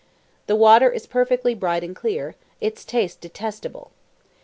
The water is perfectly bright and clear; its taste detestable.